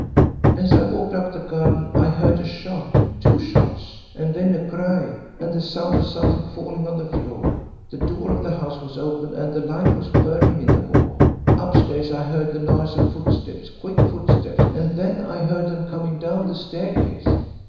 As I walked up the garden I heard a shot two shots and then a cry, and the sound of something falling on the floor. The door of the house was open, and the light was burning in the hall. Upstairs I heard the noise of footsteps quick footsteps and then I heard them coming down the staircase.